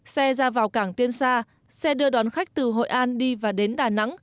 xe ra vào cảng tiên sa xe đưa đón khách từ hội an đi và đến đà nẵng